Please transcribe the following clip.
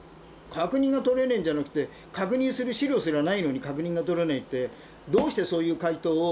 確認がとれねえんじゃなくて確認する資料すらないのに確認がとれないってどうしてそういう回答を誰が出したんだって。